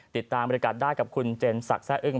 ติดตามรายการได้กับคุณเจนศักดิ์แซ่อึ้ง